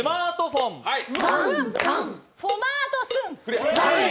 フォマートスン。